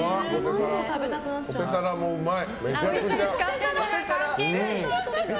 ポテサラもうまい。